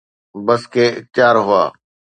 بس ڪي اختيار هئا.